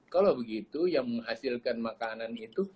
kalau begitu yang menghasilkan makanan itu